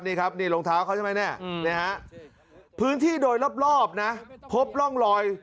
นี่ครับนี่รองเท้าเขาใช่ไหมเนี่ยฮะพื้นที่โดยรอบนะพบร่องรอย